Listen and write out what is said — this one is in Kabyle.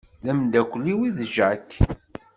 D amdakel-iw i d Jack.